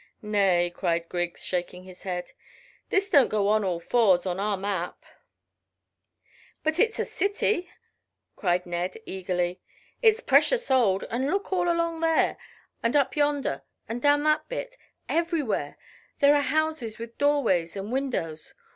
"Nay," cried Griggs, shaking his head. "This don't go on all fours with our map." "But it's a city," cried Ned eagerly. "It's precious old; but look all along there, and up yonder, and down that bit everywhere, there are houses with doorways and windows.